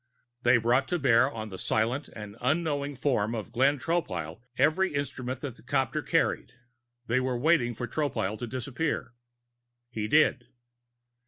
They brought to bear on the silent and unknowing form of Glenn Tropile every instrument that the copter carried. They were waiting for Tropile to disappear He did.